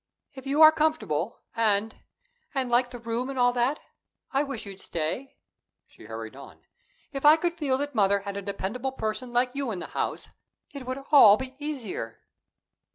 If you are comfortable, and and like the room and all that, I wish you'd stay." She hurried on: "If I could feel that mother had a dependable person like you in the house, it would all be easier."